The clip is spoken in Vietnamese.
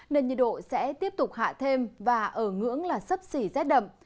nên nhiệt độ sẽ tiếp tục hạ thêm và ở ngưỡng là sấp xỉ rét đậm